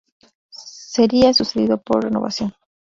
Sería sucedido por "Renovación".